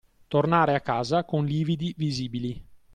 Tornare a casa con lividi visibili.